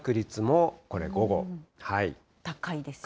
高いですね。